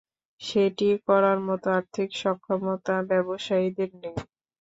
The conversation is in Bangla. সেটি করার মতো আর্থিক সক্ষমতা ব্যবসায়ীদের নেই।